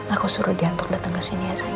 aku suruh dia untuk datang ke sini ya sayang